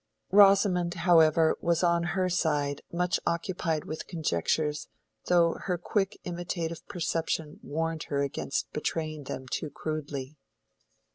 Rosamond, however, was on her side much occupied with conjectures, though her quick imitative perception warned her against betraying them too crudely.